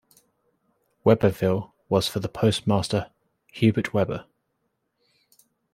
Webberville was for the postmaster Hubert Webber.